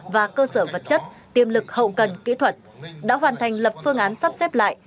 và cơ sở vật chất tiêm lực hậu cần kỹ thuật đã hoàn thành lập phương án sắp xếp lại